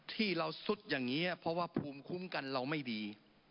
ที่เราซุดอย่างนี้เพราะว่าภูมิคุ้มกันเราไม่ดี